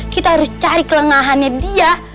kita harus cari kelengahannya dia